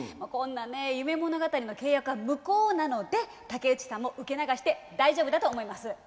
こんなね夢物語の契約は無効なので竹内さんも受け流して大丈夫だと思います。